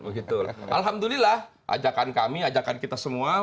alhamdulillah ajakan kami ajakan kita semua